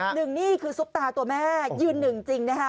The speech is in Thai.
หนึ่งนี่คือซุปตาตัวแม่ยืนหนึ่งจริงนะคะ